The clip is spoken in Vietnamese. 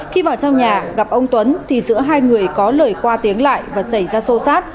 khi vào trong nhà gặp ông tuấn thì giữa hai người có lời qua tiếng lại và xảy ra sâu sát